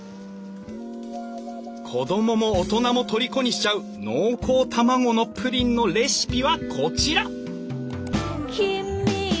子供も大人もとりこにしちゃう濃厚卵のプリンのレシピはこちら！